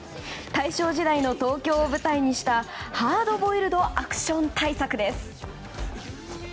大正時代の東京を舞台にしたハードボイルドアクション大作です。